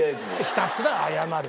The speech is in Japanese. ひたすら謝る。